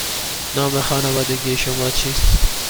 نام خانوادگی شما چیست؟